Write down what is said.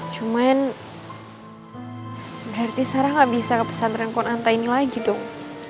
cuman berarti sarah nggak bisa ke pesantren kuanta ini lagi dong